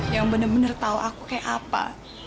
yang bener bener tau aku kayak apa